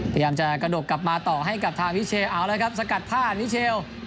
พยายามจะกระดกกลับมาต่อให้กับทางวิเชลเอาเลยครับสกัดผ้านิเชล